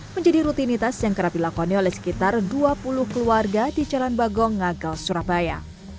menjadi rutinitas yang kerap dilakoni oleh sekitar dua puluh keluarga di jalan bagong ngagel surabaya